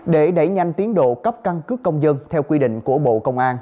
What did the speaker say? để đẩy nhanh tiến độ cấp căn cước công dân theo quy định của bộ công an